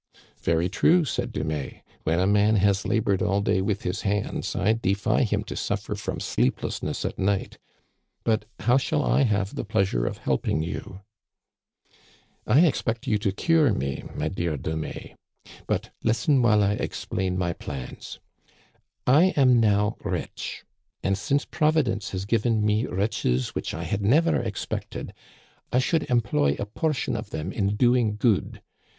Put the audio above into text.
" Very true," said Dumais. " When a man has la bored all day with his hands, I defy him to suffer from sleeplessness at night. But how shall I have the pleas ure of helping you ?*'" I expect you to cure me, my dear Dumais. But listen while I explain my plans. I am now rich, and since Providence has given me riches which I had never expected, I should employ a portion of them in doing good.